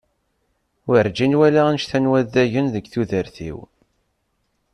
Werǧin walaɣ annect-a n waddagen deg tudert-iw.